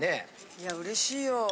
いやうれしいよ。